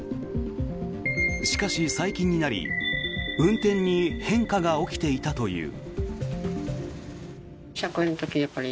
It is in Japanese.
しかし、最近になり運転に変化が起きていたという。